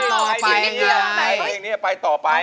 และเพลงนี้ให้ไปต่อไป